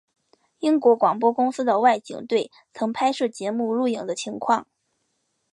英国广播公司的外景队曾经拍摄节目录影的情况。